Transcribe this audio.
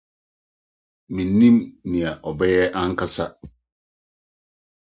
Minnim nea ɔbɛyɛ ankasa.